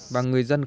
và người dân khu vực